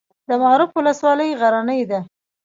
د معروف ولسوالۍ غرنۍ ده